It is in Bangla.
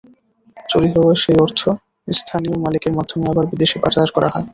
চুরি হওয়া সেই অর্থ স্থানীয় মালিকের মাধ্যমে আবার বিদেশে পাচার করা হয়।